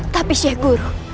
tapi syekh guru